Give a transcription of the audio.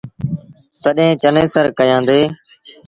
تڏهيݩ چنيسر ڪيآندي ۔